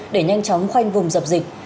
để nhanh chóng khoanh vùng dập dịch